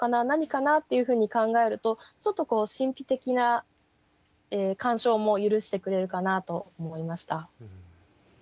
何かな？」っていうふうに考えるとちょっとこう神秘的な鑑賞も許してくれるかなと思いました。